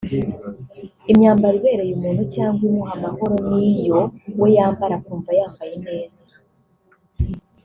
Imyambaro ibereye umuntu cyangwa imuha amahoro ni iyo we yambara akumva yambaye neza